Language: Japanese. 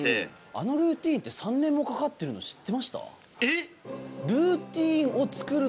あのルーティンって３年もかかっているのをえっ！